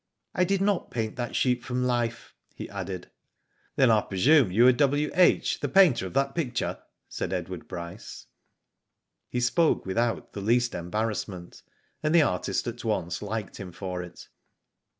" I did not paint that sheep from life," he added. " Then I presume you are W.H., the painter of that picture?" said Edward Bryce. He spoke without the least embarrassment, and the artist at once liked him for it.